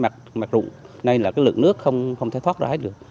cái bụng này là cái lượng nước không thể thoát ra hết được